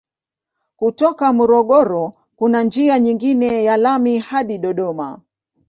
Kutoka Morogoro kuna njia nyingine ya lami hadi Dodoma.